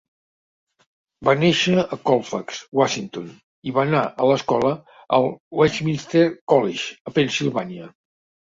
Va néixer a Colfax, Washington, i va anar a l'escola al Westminster College, a Pennsilvània.